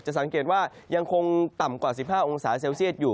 สังเกตว่ายังคงต่ำกว่า๑๕องศาเซลเซียตอยู่